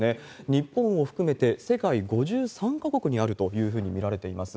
日本を含めて、世界５３か国にあるというふうに見られています。